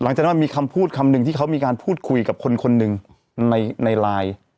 หลังจากนั้นมีคำพูดคำหนึ่งที่เขามีการพูดคุยกับคนคนหนึ่งในไลน์